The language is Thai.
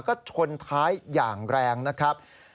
ก็ชนท้ายอย่างแรงนะครับ